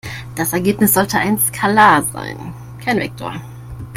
Das Ergebnis sollte ein Skalar sein, kein Vektor.